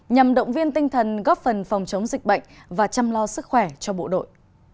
nhằm động viên tinh thần góp phần phòng chống dịch bệnh và chăm lo sức khỏe cho bộ đội